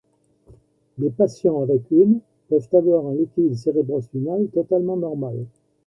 Les patients avec une peuvent avoir un liquide cérébrospinal totalement normal.